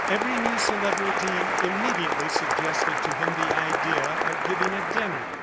Every new celebrity immediately suggested to him the idea of giving a dinner.